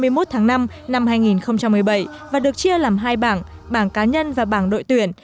hội thi được tổ chức từ ngày năm tháng ba năm hai nghìn một mươi bảy và được chia làm hai bảng bảng cá nhân và bảng đội tuyển